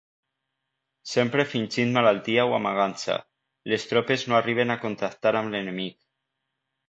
Sempre fingint malaltia o amagant-se, les tropes no arriben a contactar amb l'enemic.